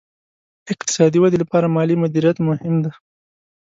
اقتصادي ودې لپاره مالي مدیریت مهم دی.